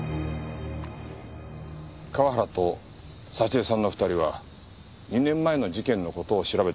河原と沙知絵さんの２人は２年前の事件の事を調べていたんですよね？